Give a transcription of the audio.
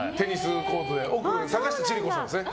奥は坂下千里子さんですね。